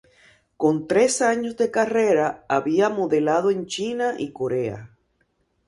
Con tres años de carrera, había modelado en China y Corea.